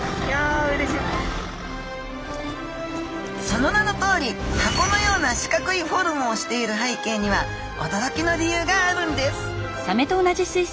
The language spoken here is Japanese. その名のとおり箱のような四角いフォルムをしている背景にはおどろきの理由があるんです！